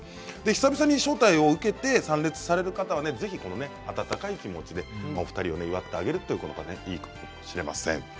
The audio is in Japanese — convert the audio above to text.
久々に招待を受けて参列される方はぜひ温かい気持ちでお二人を祝ってあげるということがいいかもしれません。